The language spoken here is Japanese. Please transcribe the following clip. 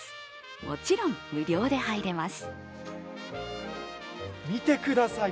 もちろん無料で入れます。